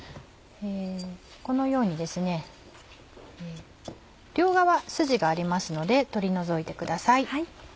このようにですね両側スジがありますので取り除いてください。